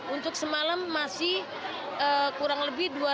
untuk semalam masih kurang lebih dua ratus lima puluh enam